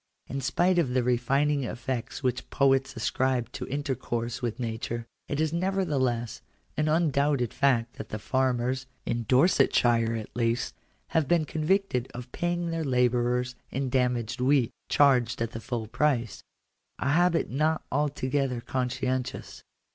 In spite of the refining effects which poets ascribe to intercourse with nature, it is nevertheless an un doubted fact that the farmers — in Dorsetshire, at least — have been convicted of paying their labourers in damaged wheat, charged at the full price — a habit not altogether conscientious.